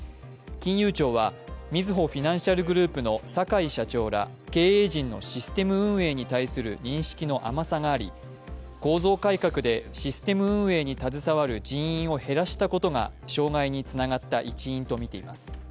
金融庁はみずほフィナンシャルグループの坂井社長ら経営陣のシステム運営に対する認識の甘さがあり構造改革でシステム運営に携わる人員を減らしたことが障害につながった一因とみています。